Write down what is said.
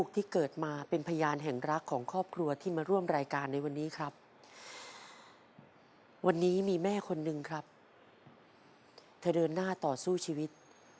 เธอเดินหน้าต่อสู้ชีวิต